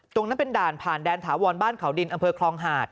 ตรงนั้นเป็นด่านผ่านแดนถาวรบ้านเขาดินอำเภอคลองหาด